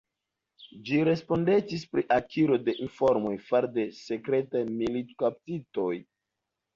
Ĝi respondecis pri akiro de informoj fare de sekretaj militkaptitoj.